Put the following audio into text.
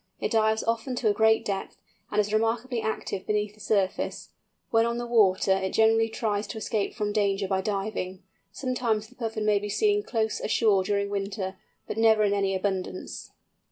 It dives often to a great depth, and is remarkably active beneath the surface; when on the water it generally tries to escape from danger by diving. Sometimes the Puffin may be seen close ashore during winter, but never in any abundance.